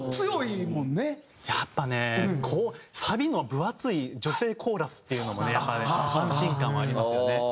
やっぱねサビの分厚い女性コーラスっていうのもやっぱね安心感はありますよね。